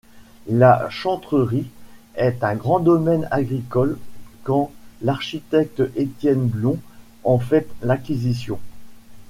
La Chantrerie est un grand domaine agricole quand l'architecte Étienne Blon en fait l'acquisition.